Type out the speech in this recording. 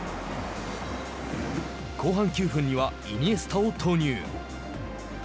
後半９分にはイニエスタを投入。